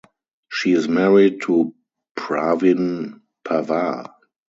She is married to Pravin Pawar.